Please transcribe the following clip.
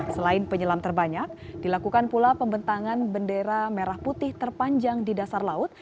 selain penyelam terbanyak dilakukan pula pembentangan bendera merah putih terpanjang di dasar laut